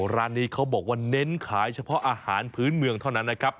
ร้านนี้เขาบอกว่าเน้นขายเฉพาะอาหารพื้นเมืองเท่านั้นนะครับ